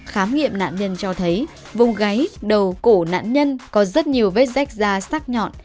khám nghiệm nạn nhân cho thấy vùng gáy đầu cổ nạn nhân có rất nhiều vết rách da sắc nhọn